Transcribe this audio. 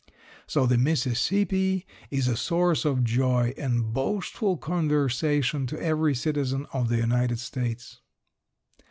So the Mississippi is a source of joy and boastful conversation to every citizen of the United States.